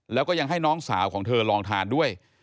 แล้วก็ยังให้น้องสาวของเธอลองทานด้วย